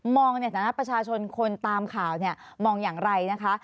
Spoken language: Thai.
ในฐานะประชาชนคนตามข่าวเนี่ยมองอย่างไรนะคะ